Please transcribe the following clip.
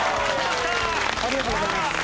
ありがとうございます。